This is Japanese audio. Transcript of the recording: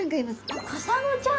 あっカサゴちゃん。